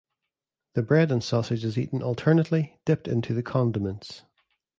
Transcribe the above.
The bread and sausage is eaten alternately, dipped into the condiments.